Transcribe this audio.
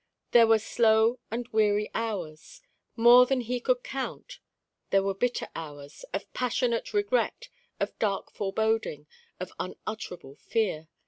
There were slow and weary hours, more than he could count; there were bitter hours of passionate regret, of dark foreboding, of unutterable fear.